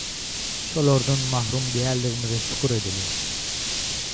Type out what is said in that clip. Şolardan mahrum däldigimize şükür edeliň.